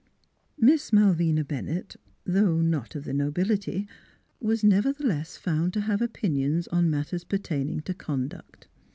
Miss Malvina Bennett (though not of the nobility) was never theless found to have opinions on matters per taining to conduct.